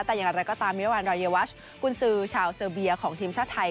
แต่อย่างไรก็ตามมิรวรรณรายวัชกุญซือชาวเซอร์เบียของทีมชาติไทย